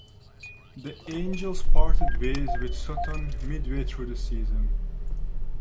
The Angels parted ways with Sutton midway through the season.